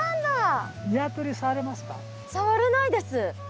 触れないです。